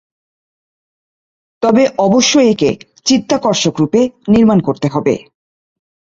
তবে অবশ্যই একে "চিত্তাকর্ষক" রূপে নির্মাণ করতে হবে।